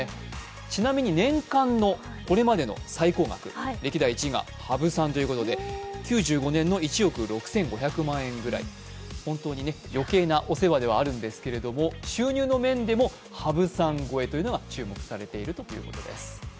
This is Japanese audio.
ちなみに年間のこれまでの最高額歴代１位が羽生さんだということで、９５年の１億６５００万円くらい、本当に余計なお世話ではあるんですけれども、収入の面でも羽生さん超えというのが注目されているということです。